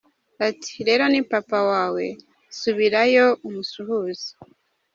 Ati : rero ni papa wawe, subirayo, umusuhuze.